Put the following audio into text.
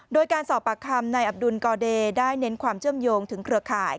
โดยการสอบปากคำนายอับดุลกอเดย์ได้เน้นความเชื่อมโยงถึงเครือข่าย